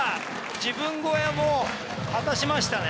自分超えはもう果たしましたね。